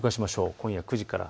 今夜９時から。